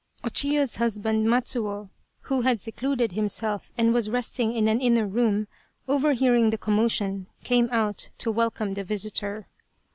O Chiyo's husband, Matsuo, who had secluded him self and was resting in an inner room, overhearing the commotion, came out to welcome the visitor.